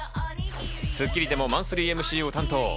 『スッキリ』でもマンスリーＭＣを担当。